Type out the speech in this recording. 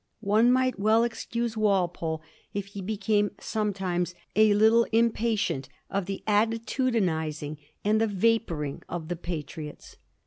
One might well excuse Walpole if he became sometimes a little impatient of the attitudinizing and the vaporing of the Patriots.